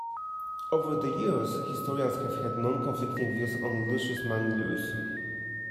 Over the years, historians have had non-conflicting views on Lucius Manlius.